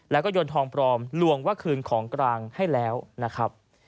แล้วก็โยนทองปลอมลวงว่าคืนของกลางให้แล้วนะครับ